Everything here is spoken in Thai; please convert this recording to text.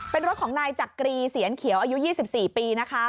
เป็นรถของนายจักรีเสียนเขียวอายุ๒๔ปีนะคะ